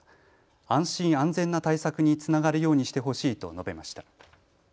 安心安全な対策につながるようにしてほしいと述べました。